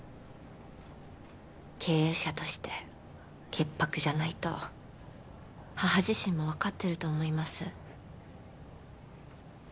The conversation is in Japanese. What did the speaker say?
経営者として潔白じゃないと母自身も分かってると思います